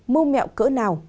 mưu mẹo cỡ nào